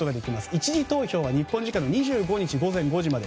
１次投票は日本時間の２５日午後５時まで。